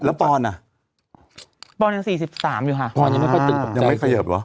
แล้วปอนอ่ะปอนยังสี่สิบสามอยู่ค่ะปอนยังไม่ค่อยตื่นตกใจไม่เขยิบเหรอ